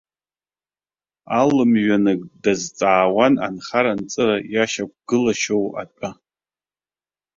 Алмҩанык дазҵаауан анхара-анҵыра иашьақәгалашьоу атәы.